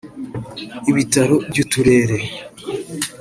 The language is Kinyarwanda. ibitaro by’uturere